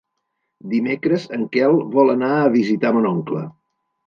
Dimecres en Quel vol anar a visitar mon oncle.